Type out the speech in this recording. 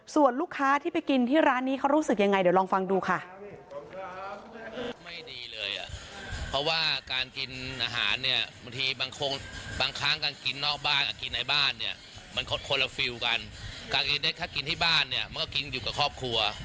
ส่วนลูกค้าที่ไปกินที่ร้านนี้เขารู้สึกยังไงเดี๋ยวลองฟังดูค่ะ